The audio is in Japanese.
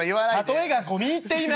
「例えが込み入っています」。